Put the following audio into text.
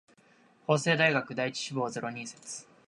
法政大学第一志望ゼロ人説